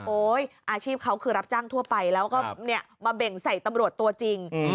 อาชีพเขาคือรับจ้างทั่วไปแล้วก็มาเบ่งใส่ตำรวจตัวจริง